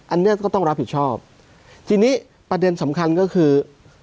อันนี้ก็ต้องรับผิดชอบทีนี้ประเด็นสำคัญก็คือ